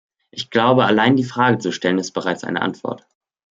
Ich glaube, allein die Frage zu stellen, ist bereits eine Antwort.